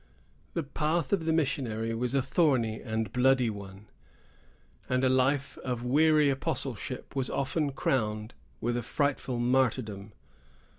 The path of the missionary was a thorny and a bloody one; and a life of weary apostleship was often crowned with a frightful martyrdom.